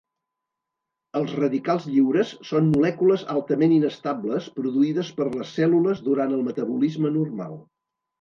Els radicals lliures són molècules altament inestables produïdes per les cèl·lules durant el metabolisme normal.